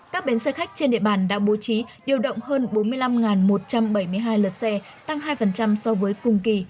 các bến xe khách trên địa bàn đã bố trí điều động hơn bốn mươi năm một trăm bảy mươi hai lượt xe tăng hai so với cùng kỳ